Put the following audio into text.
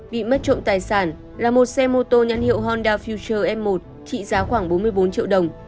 bị mất trộm tài sản là một xe mô tô nhắn hiệu honda future m một trị giá khoảng bốn mươi bốn triệu đồng